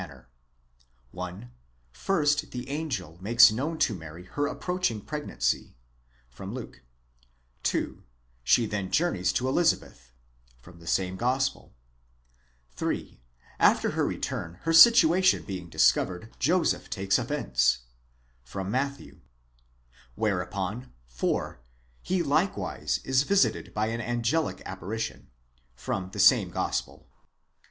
manner: 1, First, the angel makes known to Mary her approaching pregnancy (Luke) ; 2, she then journeys to Elizabeth (the same Gospel); 3, after her return her situation being discovered, Joseph takes offence (Matthew); whereupon, 4, he likewise is visited by an angelic apparition (the same Gospel 3).